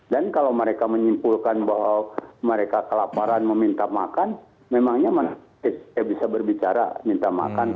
dan kalau mereka menyimpulkan bahwa mereka kelaparan meminta makan memangnya bisa berbicara minta makan